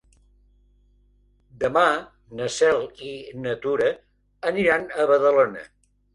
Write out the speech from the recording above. Demà na Cel i na Tura aniran a Badalona.